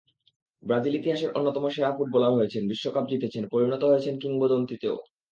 Brazil ইতিহাসের অন্যতম সেরা ফুটবলার হয়েছেন, বিশ্বকাপ জিতেছেন, পরিণত হয়েছেন কিংবদন্তিতেও।